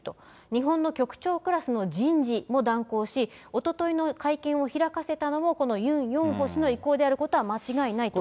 日本の局長クラスの人事も断行し、おとといの会見を開かせたのも、このユン・ヨンホ氏の意向であることは間違いないと。